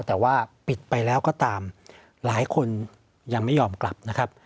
แต่ว่าปิดไปแล้วก็ตามหลายคนยังไม่ยอมกลับนะครับ